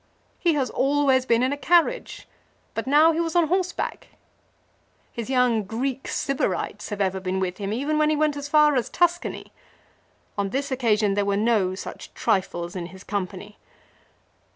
He has always been in a carriage ; but now he was on horseback. His young Greek Sybarites have ever been with him, even when he went as far as Tuscany. On this occasion there were no such trifles in his company.